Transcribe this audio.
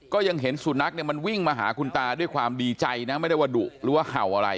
ก็ยังเห็นสุนัขเนี่ยมันวิ่งมาหาคุณตาด้วยความดีใจนะไม่ได้ว่าดุหรือว่าเห่าอะไร